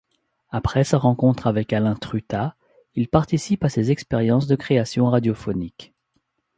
Après sa rencontre avec Alain Trutat, il participe à ses expériences de création radiophonique.